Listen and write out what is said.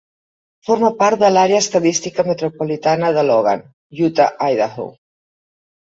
Forma part de l'Àrea Estadística Metropolitana de Logan, Utah-Idaho.